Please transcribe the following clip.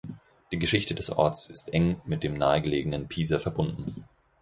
Die Geschichte des Ortes ist eng mit dem nah gelegenen Pisa verbunden.